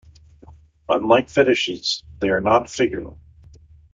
Unlike fetishes they are not figural.